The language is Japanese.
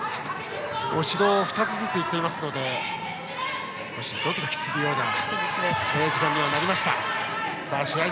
指導が２つずつ行っていますので少しドキドキするような時間でした。